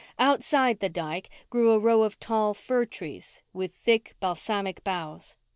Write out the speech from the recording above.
Outside the dyke grew a row of tall fir trees with thick, balsamic boughs.